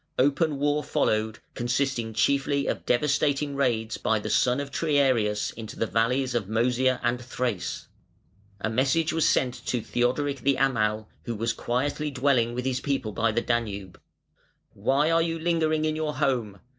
Open war followed, consisting chiefly of devastating raids by the son of Triarius into the valleys of Mœsia and Thrace. A message was sent to Theodoric the Amal, who was dwelling quietly with his people by the Danube. "Why are you lingering in your home?